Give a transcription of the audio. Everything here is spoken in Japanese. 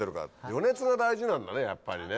予熱が大事なんだねやっぱりね。